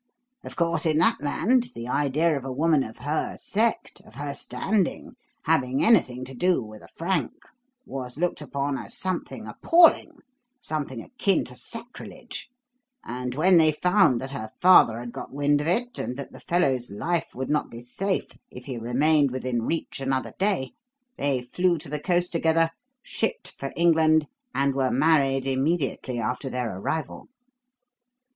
Of course, in that land, the idea of a woman of her sect, of her standing, having anything to do with a Frank was looked upon as something appalling, something akin to sacrilege; and when they found that her father had got wind of it and that the fellow's life would not be safe if he remained within reach another day, they flew to the coast together, shipped for England, and were married immediately after their arrival."